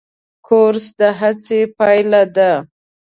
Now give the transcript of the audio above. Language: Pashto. کورس د هڅې پایله ده.